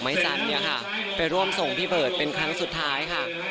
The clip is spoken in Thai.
สันเนี่ยค่ะไปร่วมส่งพี่เบิร์ตเป็นครั้งสุดท้ายค่ะ